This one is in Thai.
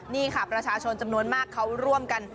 นี่ค่ะประชาชนจำนวนมากเขาร่วมกัน